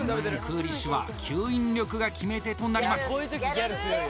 クーリッシュは吸引力が決め手となります